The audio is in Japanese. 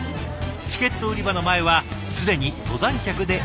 チケット売り場の前は既に登山客で大にぎわい。